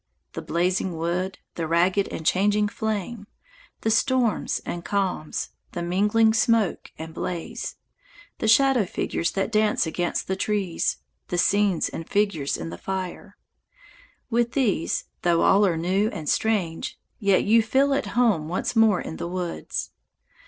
The blazing wood, the ragged and changing flame, the storms and calms, the mingling smoke and blaze, the shadow figures that dance against the trees, the scenes and figures in the fire, with these, though all are new and strange, yet you feel at home once more in the woods.